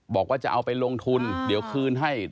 บอกว่าจะเอาไปลงทุนเดี๋ยวคืนให้